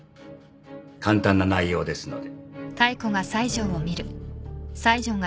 簡単な内容ですので。